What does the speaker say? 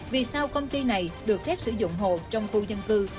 vì sao công ty này được phép sử dụng hồ trong khu dân cư